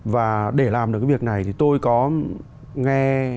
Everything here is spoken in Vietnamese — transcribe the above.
và để làm được cái việc này thì tôi có nghe